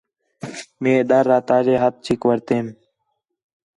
مئے ڈر آ تاجے ہتھ چھک وٹھتین